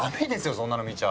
そんなの見ちゃ！